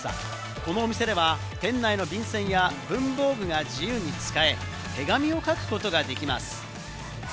このお店では店内の便箋や文房具が自由に使え、手紙を書くことができます。